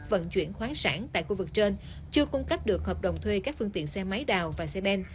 vận chuyển khoáng sản tại khu vực trên chưa cung cấp được hợp đồng thuê các phương tiện xe máy đào và xe ben